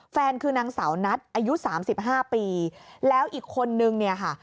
แฟนคือนางสาวนัทอายุสามสิบห้าปีแล้วอีกคนนึงเนี่ยค่ะ